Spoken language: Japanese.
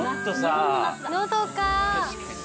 のどか。